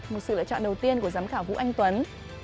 một sự lựa chọn đầu tiên của giám khảo vũ anh tuấn